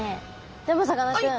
でもさかなクン